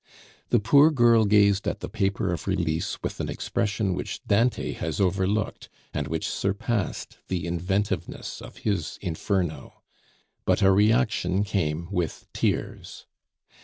The poor girl gazed at the paper of release with an expression which Dante has overlooked, and which surpassed the inventiveness of his Inferno. But a reaction came with tears.